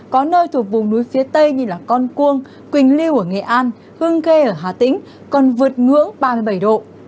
có nơi thuộc vùng núi phía tây như con cuông quỳnh liêu ở nghệ an hương khê ở hà tĩnh còn vượt ngưỡng ba mươi bảy độ